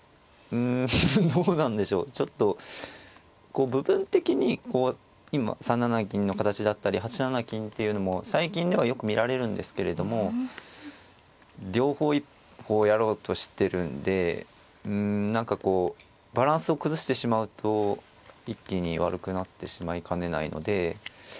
こう部分的に今３七銀の形だったり８七金っていうのも最近ではよく見られるんですけれども両方やろうとしてるんでうん何かこうバランスを崩してしまうと一気に悪くなってしまいかねないので。